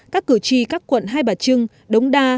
các cử tri các quận hai bà trưng đống đa